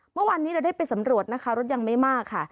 เมื่อวานนี้เราได้ไปสำรวจนะคะรถยังไม่มากค่ะ